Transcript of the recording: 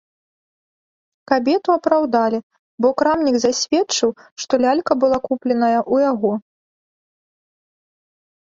Кабету апраўдалі, бо крамнік засведчыў, што лялька была купленая ў яго.